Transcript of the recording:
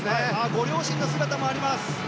ご両親の姿もあります。